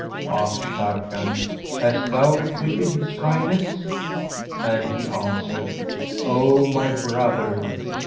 Asked Sharrkan, 'Hast thou requited his kindness?"; and he answered, "O my brother!